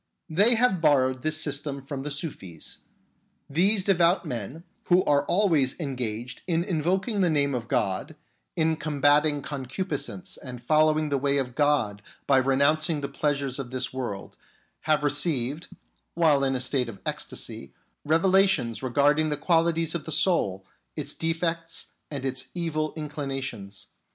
They have borrowed this system from the Sufis. These devout men, who are always engaged in invoking the name of God, in combating concupiscence and following the way of God by renouncing the pleasures of this world, have received, while in a state of SUFIS THE SUSTAINERS OF THE WORLD 35 ecstasy, revelations regarding the qualities of the soul, its defects and its evil inclinations.